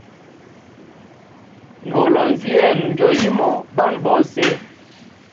Ngolonvi yenu njo yimo banwe bose.